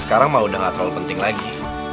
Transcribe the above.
sekarang mah udah gak terlalu penting lagi